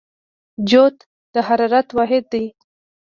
جوت د حرارت واحد دی.